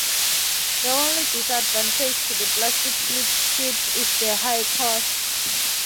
The only disadvantage to the plastic slip sheet is the high cost.